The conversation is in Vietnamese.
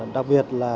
đặc biệt là